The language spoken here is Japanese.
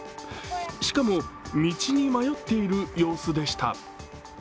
しかも道に迷っている様子でした。